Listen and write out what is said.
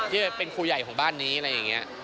ที่เป็นครูใหญ่ของบ้านนี้อะไรอย่างนี้